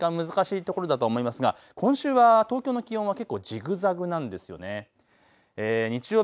難しいところだと思いますが今週は東京の気温は結構じぐざぐなんです。